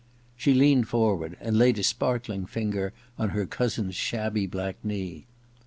She leaned forward and laid a sparkling finger on her cousin's shabby black knee.